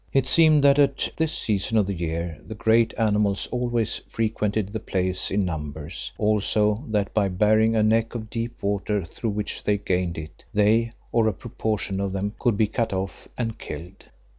It seemed that at this season of the year these great animals always frequented the place in numbers, also that by barring a neck of deep water through which they gained it, they, or a proportion of them, could be cut off and killed.